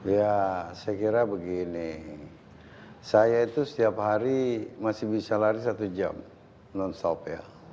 ya saya kira begini saya itu setiap hari masih bisa lari satu jam non stop ya